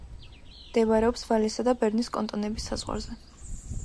მდებარეობს ვალესა და ბერნის კანტონების საზღვარზე.